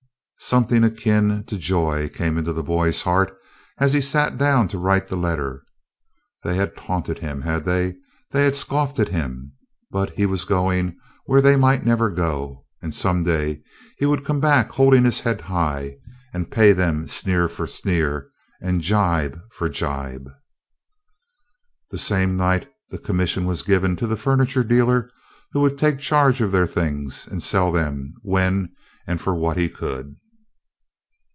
Something akin to joy came into the boy's heart as he sat down to write the letter. They had taunted him, had they? They had scoffed at him. But he was going where they might never go, and some day he would come back holding his head high and pay them sneer for sneer and jibe for jibe. The same night the commission was given to the furniture dealer who would take charge of their things and sell them when and for what he could.